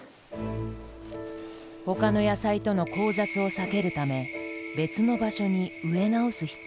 ほかの野菜との「交雑」を避けるため別の場所に植え直す必要がある。